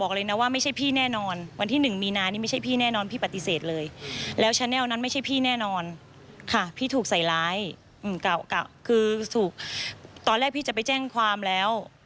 คือถูกตอนแรกพี่จะไปแจ้งความแล้ว